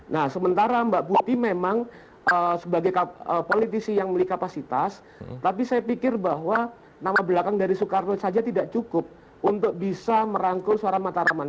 nah sementara mbak putih memang sebagai politisi yang memiliki kapasitas tapi saya pikir bahwa nama belakang dari soekarno saja tidak cukup untuk bisa merangkul suara mataraman